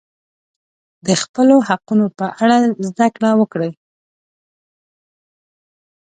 د خپلو حقونو په اړه زده کړه وکړئ.